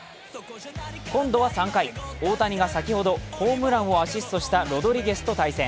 今度は３回、大谷が先ほどホームランをアシストしたロドリゲスと対戦。